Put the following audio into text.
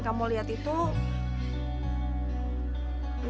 gua ngerjain dia